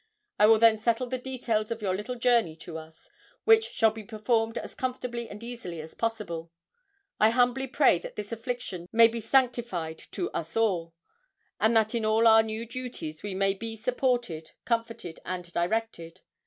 I will then settle the details of your little journey to us, which shall be performed as comfortably and easily as possible. I humbly pray that this affliction may be sanctified to us all, and that in our new duties we may be supported, comforted, and directed.